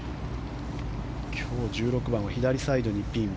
今日、１６番は左サイドにピン。